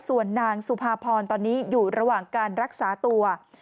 ส่วนนางสุภาพรตอนนี้อยู่ระหว่างการรักษาตัว